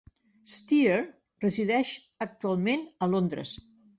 Steer resideix actualment a Londres.